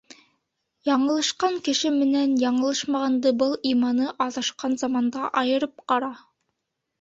Яңылышҡан кеше менән яңылышмағанды был иманы аҙашҡан заманда айырып ҡара!